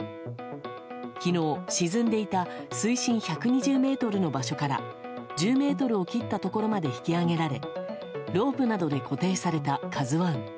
昨日、沈んでいた水深１２０ｍの場所から１０ｍを切ったところまで引き揚げられロープなどで固定された「ＫＡＺＵ１」。